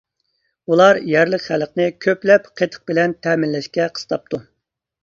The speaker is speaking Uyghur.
ئۇلار يەرلىك خەلقنى كۆپلەپ قېتىق بىلەن تەمىنلەشكە قىستاپتۇ.